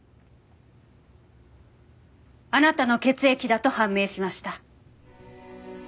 あなたの血液だと判明しました。